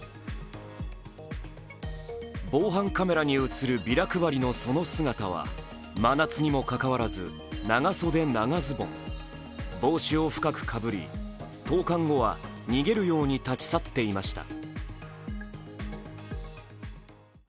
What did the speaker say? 防犯カメラに映るビラ配りのその姿は、真夏にもかかわらず長袖・長ズボン帽子を深くかぶり投かん後は逃げるように立ち去っていました。